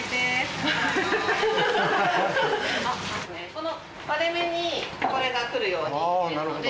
この割れ目にこれが来るように入れるので。